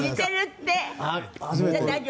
じゃあ大丈夫？